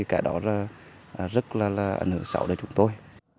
cái đó rất là ảnh hưởng sâu đến chúng tôi